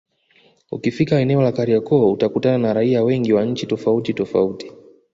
Ukifika eneo la Kariakoo utakutana na raia wengi wa nchi tofauti tofauti